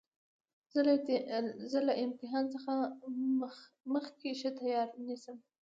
زه له امتحان څخه مخکي ښه تیاری نیسم.